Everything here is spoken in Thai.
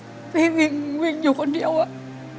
แล้วตอนนี้พี่พากลับไปในสามีออกจากโรงพยาบาลแล้วแล้วตอนนี้จะมาถ่ายรายการ